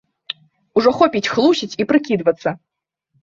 Ужо хопіць хлусіць і прыкідвацца!